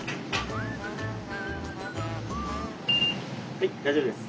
はい大丈夫です。